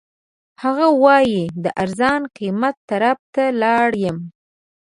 هغه وایي د ارزان قیمت طرف ته لاړ یم.